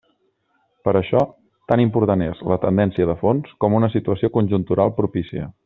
Per això, tan important és la tendència de fons com una situació conjuntural propícia.